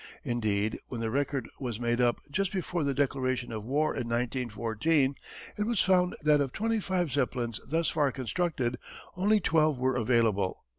Indeed when the record was made up just before the declaration of war in 1914 it was found that of twenty five Zeppelins thus far constructed only twelve were available.